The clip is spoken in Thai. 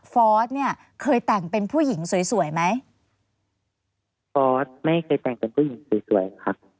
ฟอสไม่เคยแต่งเป็นผู้หญิงสวยครับ